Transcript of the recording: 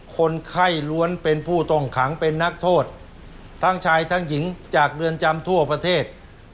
คนไข้ล้วนเป็นผู้ต้องขังเป็นนักโทษทั้งชายทั้งหญิงจากเรือนจำทั่วประเทศ